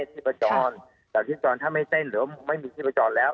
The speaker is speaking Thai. ที่ประจอนจำที่ประจอนถ้าไม่เต้นหรือว่าไม่มีที่ประจอนแล้ว